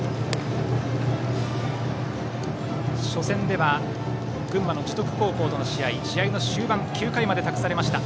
初戦では、群馬の樹徳高校との試合の終盤９回まで託されました。